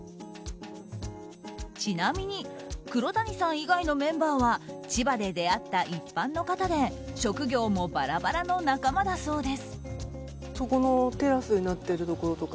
ちなみに黒谷さん以外のメンバーは千葉で出会った一般の方で職業もバラバラの仲間だそうです。